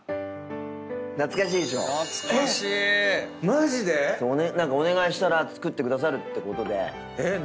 マジで⁉お願いしたら作ってくださるってことで。